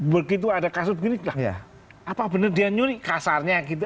begitu ada kasus beginilah apa benar dia nyuri kasarnya gitu